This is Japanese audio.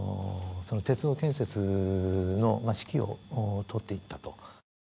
鉄道建設の指揮を執っていたと。